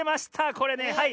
これねはい。